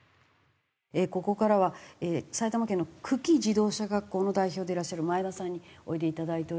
ここからは埼玉県の久喜自動車学校の代表でいらっしゃる前田さんにおいでいただいておりますけれども。